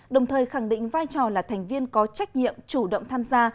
đồng thời khẳng định vai trò là thành viên có trách nhiệm chủ động tham gia